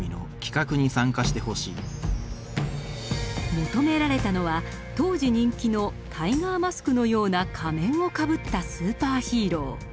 求められたのは当時人気の「タイガーマスク」のような仮面をかぶったスーパーヒーロー。